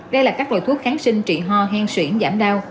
đây là các loại thuốc kháng sinh trị ho hen xuyển giảm đau